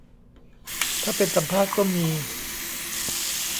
ถ้าเป็นสัมภาษณ์ก็มี